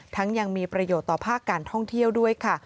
ยังมีประโยชน์ต่อภาคการท่องเที่ยวด้วยค่ะ